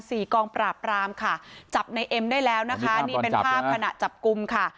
กองปราบรามค่ะจับในเอ็มได้แล้วนะคะนี่เป็นภาพขณะจับกลุ่มค่ะ